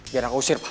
biar aku usir mas